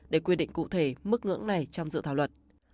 để quy định cụ thể mức ngưỡng này trong dự thảo luật